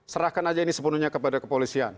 serahkan aja ini sepenuhnya kepada kepolisian